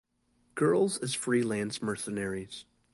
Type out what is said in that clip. Girls as freelance mercenaries.